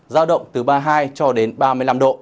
giao động từ ba mươi hai cho đến ba mươi năm độ